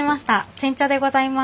煎茶でございます。